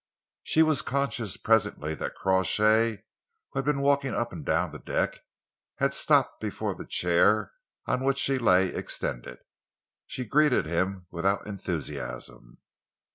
She was conscious presently that Crawshay, who had been walking up and down the deck, had stopped before the chair on which she lay extended. She greeted him without enthusiasm.